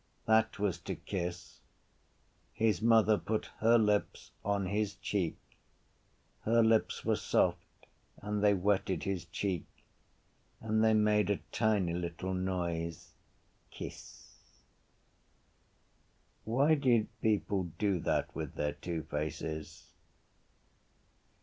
That was to kiss. His mother put her lips on his cheek; her lips were soft and they wetted his cheek; and they made a tiny little noise: kiss. Why did people do that with their two faces?